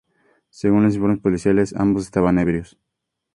Según los informes policiales, ambos estaban ebrios.